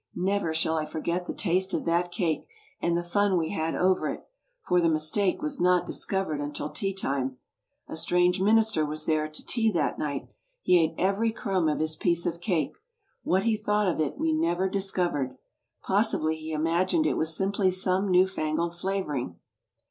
Never shall I forget the taste of that cake and the fun we had over it, for the mistake was not discovered until tea time. A strange minister was there to tea that night. He ate every crumb of his piece of cake. What he thought of it we never discov ered. Possibly he imagined it was simply some new fangled flavouring.